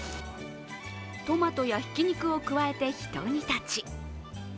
トマトやひき肉を加えて一煮立ち。